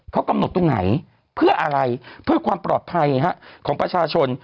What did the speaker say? เขากำหนดตรงไหนเพื่ออะไรเพื่อความปลอดภัยของประชาชน